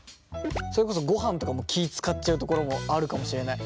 それこそごはんとかも気遣っちゃうところもあるかもしれない。